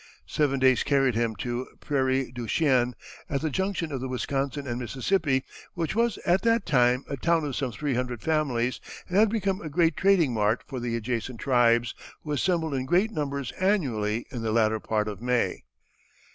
Seven days carried him to Prairie du Chien, at the junction of the Wisconsin and Mississippi, which was at that time a town of some three hundred families and had become a great trading mart for the adjacent tribes, who assembled in great numbers annually in the latter part of May.